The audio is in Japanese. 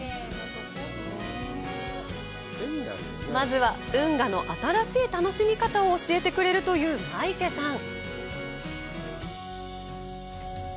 まずは運河の新しい楽しみ方を教えてくれるというマイケさん。